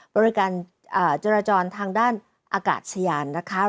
บริการจราจรทางด้านอากาศยานนะคะ